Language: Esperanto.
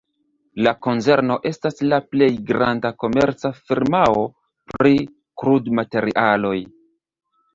La konzerno estas la plej granda komerca firmao pri krudmaterialoj.